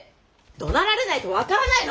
怒鳴られないと分からないの！